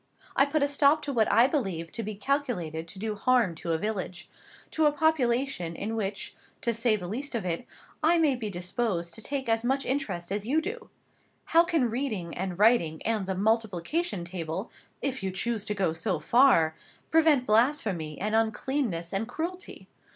I put a stop to what I believed to be calculated to do harm to a village, to a population in which, to say the least of it, I may be disposed to take as much interest as you can do. How can reading, and writing, and the multiplication table (if you choose to go so far) prevent blasphemy, and uncleanness, and cruelty?